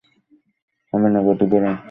হবে না, গতি বাড়াও।